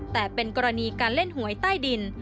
แต่เป็นกรณีการเล่นหวยใต้ดิน